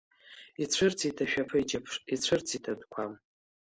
Ицәырҵит ашәаԥыџьаԥ, ицәырҵит адәқәа.